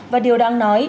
và điều đang nói